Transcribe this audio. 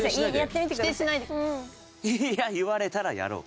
いや言われたらやろう。